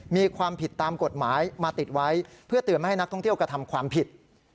มีความผิดตามกฎหมายมาติดไว้เพื่อเตือนไม่ให้นักท่องเที่ยวกระทำความผิด